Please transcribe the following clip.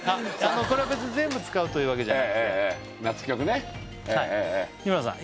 これは別に全部使うというわけじゃなくて日村さん